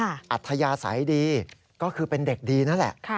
อัธยาศัยดีก็คือเป็นเด็กดีนั่นแหละ